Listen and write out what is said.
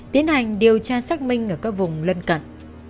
tiến hành điều tra xác minh ở các vùng lân cận